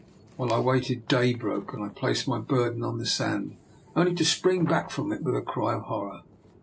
While I waited day broke, and I placed my burden on the sand, only to spring back from it with a cry of horror.